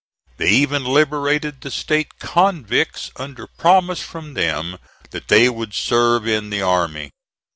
They even liberated the State convicts under promise from them that they would serve in the army.